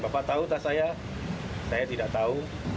bapak harus tahu